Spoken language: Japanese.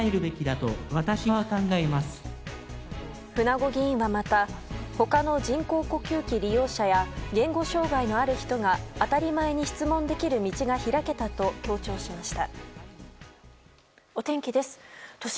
舩後議員は、また他の人工呼吸器利用者や言語障害のある人が当たり前に質問できる道が開けたと強調しました。